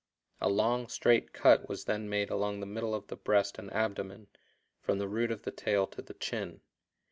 A long, straight cut was then made along the middle of the breast and abdomen, from the root of the tail to the chin.